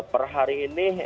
per hari ini